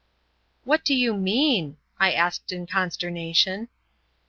"What do you mean?" I asked, in consternation.